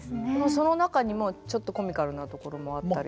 その中にもちょっとコミカルなところもあったり。